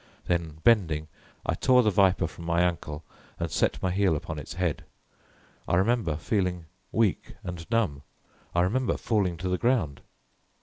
Then bending, I tore the viper from my ankle and set my heel upon its head. I remember feeling weak and numb, I remember falling to the ground.